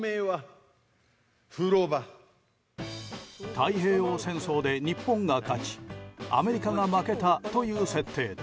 太平洋戦争で、日本が勝ちアメリカが負けたという設定。